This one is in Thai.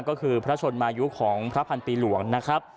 ก็คือพระชนมายุของพระพันปีหลวงนะครับ